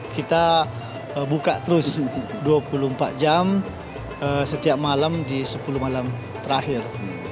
kita buka terus dua puluh empat jam setiap malam di sepuluh malam terakhir